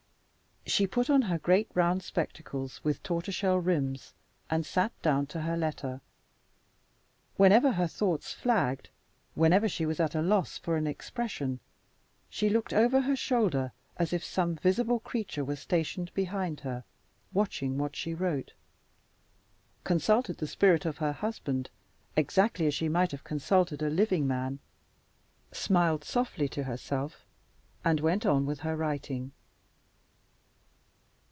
She put on her great round spectacles with tortoise shell rims and sat down to her letter. Whenever her thoughts flagged, whenever she was at a loss for an expression, she looked over her shoulder, as if some visible creature were stationed behind her, watching what she wrote; consulted the spirit of her husband, exactly as she might have consulted a living man; smiled softly to herself, and went on with her writing.